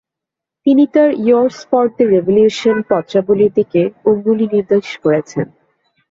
তিনি তার "yours for the revolution" পত্রাবলীর দিকে অঙ্গুলী নির্দেশ করেছেন।